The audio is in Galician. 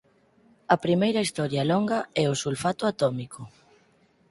A primeira historia longa é O sulfato atómico.